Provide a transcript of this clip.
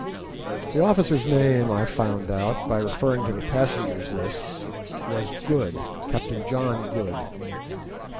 The officer's name I found out—by referring to the passengers' lists—was Good—Captain John Good.